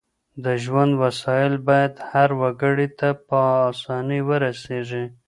د ژوند وسايل بايد هر وګړي ته په اسانۍ ورسيږي.